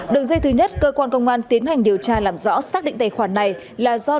đường dây thứ nhất cơ quan công an tiến hành điều tra làm rõ xác định tài khoản này là do